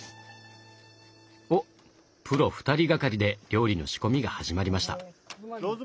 プロ２人ががりで料理の仕込みが始まりました。